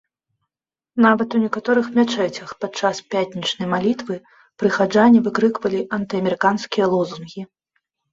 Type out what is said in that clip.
Нават у некаторых мячэцях падчас пятнічнай малітвы прыхаджане выкрыквалі антыамерыканскія лозунгі.